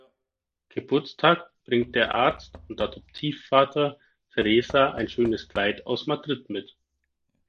Geburtstag bringt der Arzt und Adoptivvater Teresa ein schönes Kleid aus Madrid mit.